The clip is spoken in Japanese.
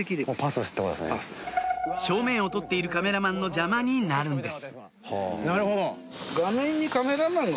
正面を撮っているカメラマンの邪魔になるんですあぁ